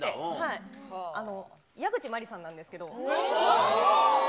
矢口真里さんなんですけど。